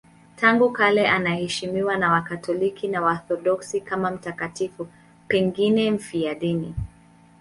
Tangu kale anaheshimiwa na Wakatoliki na Waorthodoksi kama mtakatifu, pengine mfiadini.